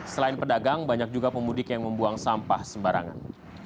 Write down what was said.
selain pedagang banyak juga pemudik yang membuang sampah sembarangan